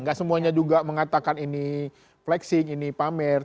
gak semuanya juga mengatakan ini pamer